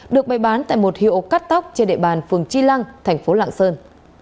được bày bán tại một hiệu cắt tóc trên địa bàn phường chi lăng thành phố lạng sơn